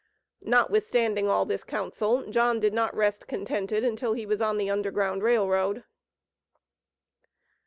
Notwithstanding all this counsel, John did not rest contented until he was on the Underground Rail Road.